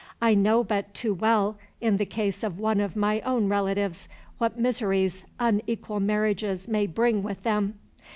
I know but too well, in the case of one of my own relatives, what miseries unequal marriages bring with them.